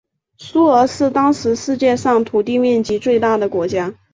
苏俄是当时世界上土地面积最大的国家。